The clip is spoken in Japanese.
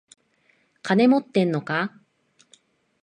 金持ってんのか？